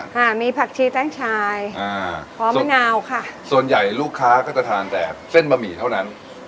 ค่ะมีผักชีแต้งชายอ่าหอมมะนาวค่ะส่วนใหญ่ลูกค้าก็จะทานแต่เส้นบะหมี่เท่านั้น